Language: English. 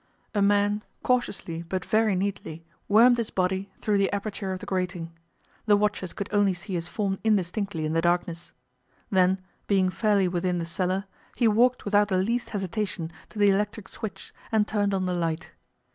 A man cautiously but very neatly wormed his body through the aperture of the grating. The watchers could only see his form indistinctly in the darkness. Then, being fairly within the cellar, he walked without the least hesitation to the electric switch and turned on the light.